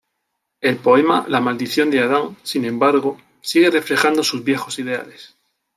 El poema "La maldición de Adán", sin embargo, sigue reflejando sus viejos ideales.